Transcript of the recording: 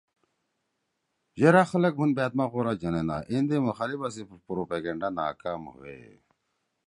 یرأ خلگ مُھن بأت ما غورا جنین آں ایندے مخالفا سی پروپیگینڈا ناکام ہوئے۔